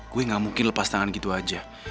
gue gak mungkin lepas tangan gitu aja